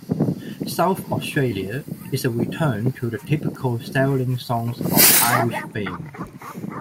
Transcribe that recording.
"South Australia" is a return to the typical sailing songs of Irish fame.